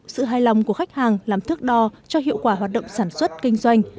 sự hài lòng của khách hàng làm thước đo cho hiệu quả hoạt động sản xuất kinh doanh